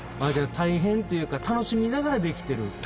じゃあ大変というか楽しみながらできてる。